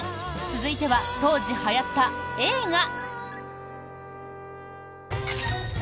続いては当時はやった映画。